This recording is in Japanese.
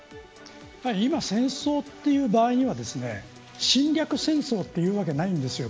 今、戦争という場合には侵略戦争と言うわけはないんですよ